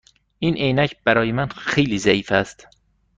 این عینک برای من خیلی ضعیف است.